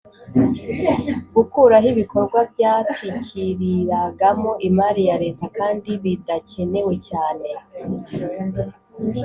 gukuraho ibikorwa byatikiriragamo imari ya Leta kandi bidakenewe cyane